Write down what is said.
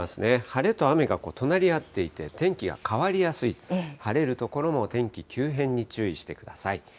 晴れと雨が隣り合っていて、天気が変わりやすい、晴れる所も天気急変に注意してください。